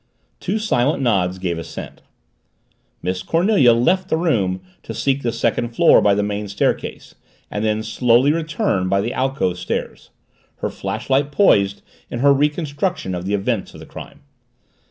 Two silent nods gave assent. Miss Cornelia left the room to seek the second floor by the main staircase and then slowly return by the alcove stairs, her flashlight poised, in her reconstruction of the events of the crime.